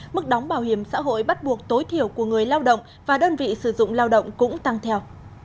mức đóng bảo hiểm xã hội bắt buộc tối thiểu của người lao động và đơn vị sử dụng lao động cũng tăng theo